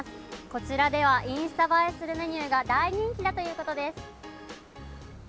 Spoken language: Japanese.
こちらではインスタ映えするメニューが大人気だということです。